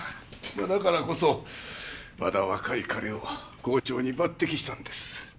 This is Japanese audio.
だからこそまだ若い彼を校長に抜擢したんです。